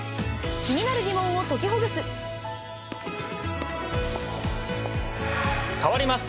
気になるギモンを解きほぐす。